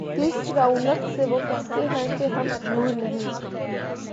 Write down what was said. کس رعونت سے وہ کہتے ہیں کہ ’’ ہم حور نہیں ‘‘